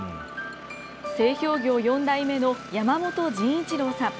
製氷業４代目の山本仁一郎さん。